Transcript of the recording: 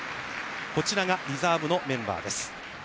こちらがリザーブのメンバーです。